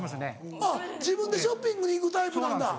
あっ自分でショッピングに行くタイプなんだ。